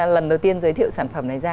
lần đầu tiên giới thiệu sản phẩm này ra